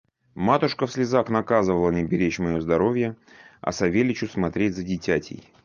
Матушка в слезах наказывала мне беречь мое здоровье, а Савельичу смотреть за дитятей.